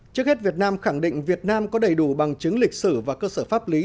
trước hết việt nam khẳng định việt nam có đầy đủ bằng chứng lịch sử và cơ sở pháp lý